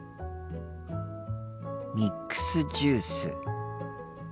ミックスジュース。